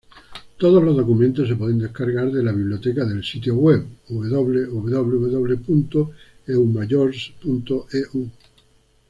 Todos los documentos se pueden descargar de la biblioteca del sitio web www.eumayors.eu.